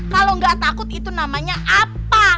kalau nggak takut itu namanya apa